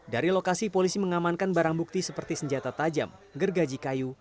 dari lokasi polisi mengamankan barang bukti seperti senjata tajam gergaji kayu